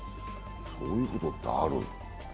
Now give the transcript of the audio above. そういうことってあるんだ。